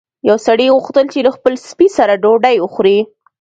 یو سړي غوښتل چې له خپل سپي سره ډوډۍ وخوري.